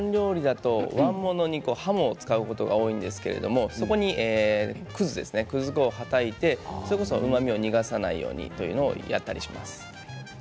わんものにはもを使うことが多いんですがそこに、くず粉をはたいてうまみを逃がさないようにということをやったりします。